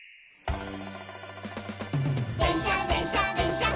「でんしゃでんしゃでんしゃっ